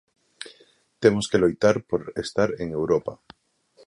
Temos que loitar por estar en Europa.